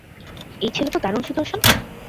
এই ছেলে তো দারুণ সুদর্শন!